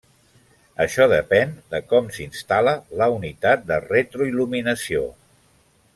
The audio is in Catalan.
Això depèn de com s'instal·la la unitat de retroil·luminació.